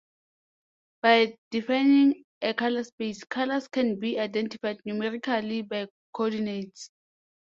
By defining a color space, colors can be identified numerically by coordinates.